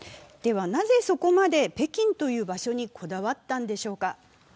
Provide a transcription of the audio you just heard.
なぜ、そこまで北京という場所にこだわったんでしょうか。